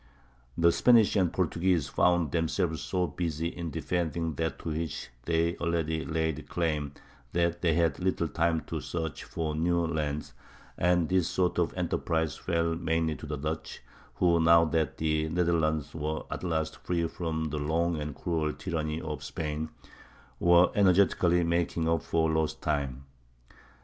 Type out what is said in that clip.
The Spanish and Portuguese found themselves so busy in defending that to which they already laid claim that they had little time to search for new lands; and this sort of enterprise fell mainly to the Dutch, who, now that the Netherlands were at last free from the long and cruel tyranny of Spain, were energetically making up for lost time.